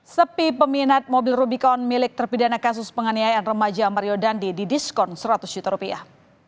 sepi peminat mobil rubicon milik terpidana kasus penganiayaan remaja mario dandi di diskon seratus juta rupiah